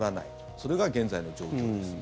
それが現在の状況です。